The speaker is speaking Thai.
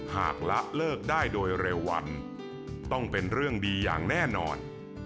หากละเลิกได้โดยเร็ววันต้องเป็นเรื่องดีอย่างแน่นอน